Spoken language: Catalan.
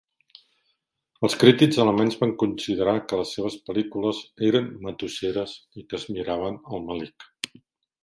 Els crítics alemanys van considerar que les seves pel·lícules eren "matusseres" i que "es miraven el melic".